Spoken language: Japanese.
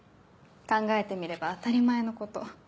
考えてみれば当たり前のこと。